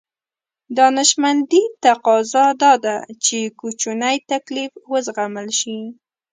دانشمندي تقاضا دا ده چې کوچنی تکليف وزغمل شي.